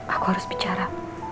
aku harus bicara